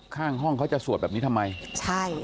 ข้างห้องเขาจะสวดแบบนี้ทำไมใช่